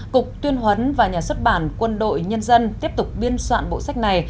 cục tuyên huấn và nhà xuất bản quân đội nhân dân tiếp tục biên soạn bộ sách này